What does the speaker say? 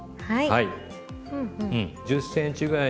はい。